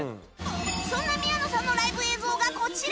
そんな宮野さんのライブ映像がこちら